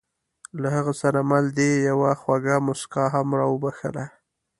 له هغه سره مل دې یوه خوږه موسکا هم را وبښله.